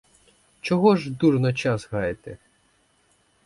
Чого ж дурно час гаяти?